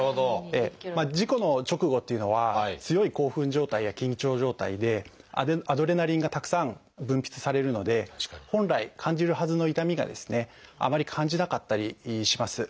事故の直後っていうのは強い興奮状態や緊張状態でアドレナリンがたくさん分泌されるので本来感じるはずの痛みがですねあまり感じなかったりします。